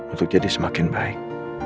untuk jadi semakin baik